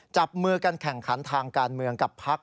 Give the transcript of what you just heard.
จับมือกันแข่งขันทางการเมืองกับพัก